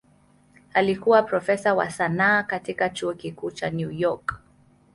Alikuwa profesa wa sanaa katika Chuo Kikuu cha New York.